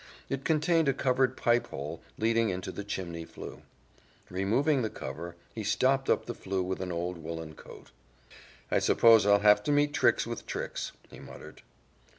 It contained a covered pipe hole leading into the chimney flue. Removing the cover, he stopped up the flue with an old woolen coat. "I suppose I'll have to meet tricks with tricks," he muttered.